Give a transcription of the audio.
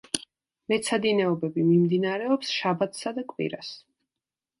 მეცადინეობები მიმდინარეობს შაბათსა და კვირას.